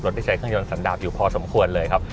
ที่ใช้เครื่องยนสันดาบอยู่พอสมควรเลยครับ